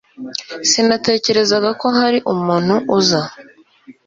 Sinatekerezaga ko hari umuntu uza